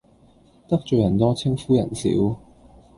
得罪人多稱呼人少